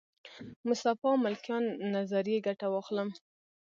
مصطفی ملکیان نظریې ګټه واخلم.